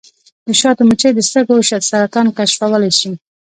د شاتو مچۍ د سږو سرطان کشفولی شي.